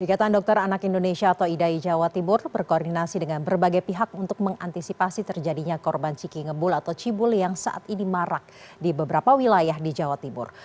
ikatan dokter anak indonesia atau idai jawa timur berkoordinasi dengan berbagai pihak untuk mengantisipasi terjadinya korban ciki ngebul atau cibul yang saat ini marak di beberapa wilayah di jawa timur